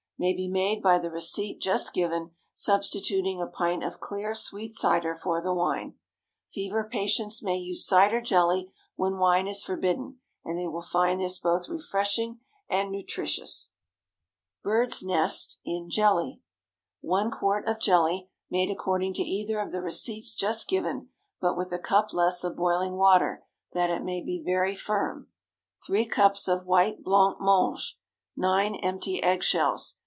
✠ May be made by the receipt just given, substituting a pint of clear, sweet cider for the wine. Fever patients may use cider jelly when wine is forbidden, and they will find this both refreshing and nutritious. BIRD'S NEST IN JELLY. ✠ 1 quart of jelly, made according to either of the receipts just given, but with a cup less of boiling water, that it may be very firm. 3 cups of white blanc mange. 9 empty eggshells.